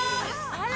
あら！